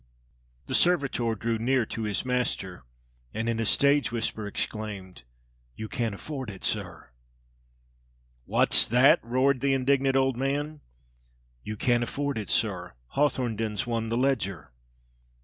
The servitor drew near to his master, and in a stage whisper exclaimed: "You can't afford it, sir!" "What's that?" roared the indignant old man. "You can't afford it, sir Hawthornden's won th' Leger!"